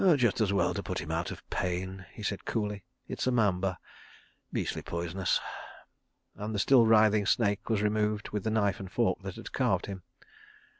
"Just as well to put him out of pain," said he coolly; "it's a mamba. Beastly poisonous," and the still writhing snake was removed with the knife and fork that had carved him.